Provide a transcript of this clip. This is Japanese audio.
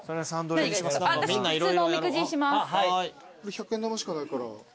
百円玉しかないから。